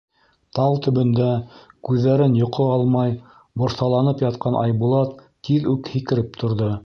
Тал төбөндә күҙҙәрен йоҡо алмай борҫаланып ятҡан Айбулат тиҙ үк һикереп торҙо.